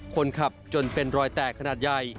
คนขับจนเป็นรอยแตกขนาดใหญ่